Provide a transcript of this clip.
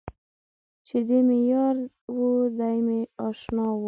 چې دی مې یار و دی مې اشنا و.